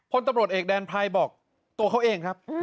พลตำรวจเอกแดนไพรบอกตัวเขาเองครับ